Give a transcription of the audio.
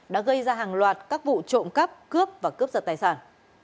đã gây ra hàng loạt các vụ trộm cắp cướp và cướp giật tài sản